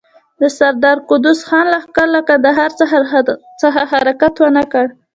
د سردار قدوس خان لښکر له کندهار څخه حرکت ونه کړ.